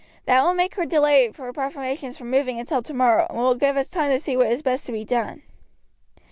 That will make her delay her preparations for moving until tomorrow, and will give us time to see what is best to be done."